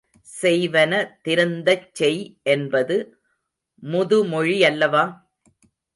செய்வன திருந்தச் செய் என்பது முதுமொழி யல்லவா?